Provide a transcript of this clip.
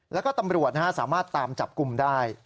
แล้วก็ตำรวจสามารถตามจับกลุ่มได้